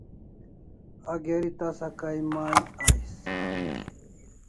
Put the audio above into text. A geri tasa kay mai ais